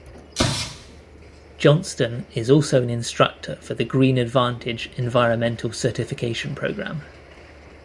Johnston is also an instructor for the Green Advantage Environmental Certification Program.